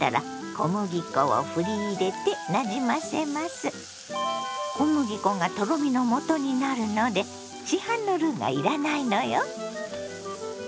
小麦粉がとろみの素になるので市販のルーが要らないのよ。